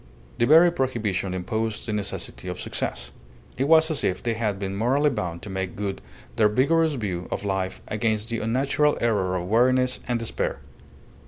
The very prohibition imposed the necessity of success. It was as if they had been morally bound to make good their vigorous view of life against the unnatural error of weariness and despair.